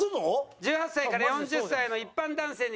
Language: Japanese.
１８歳から４０歳の一般男性に聞いた